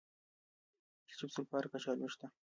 د چپسو لپاره کچالو شته؟